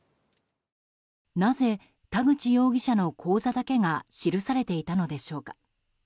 なぜ田口容疑者の口座だけが記されていたのでしょうか。